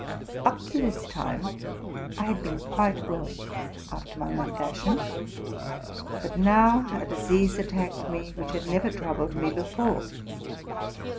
Up to this time I had been quite well, after my own fashion ; but now a disease attacked me which had never troubled me before.